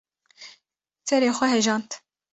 ‘’ serê xwe hejand.